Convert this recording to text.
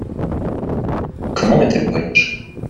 Comment était le voyage ?